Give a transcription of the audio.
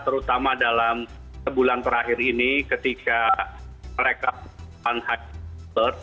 terutama dalam sebulan terakhir ini ketika mereka menghadapi covid sembilan belas